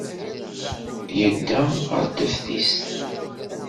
Yedda ɣer teftist.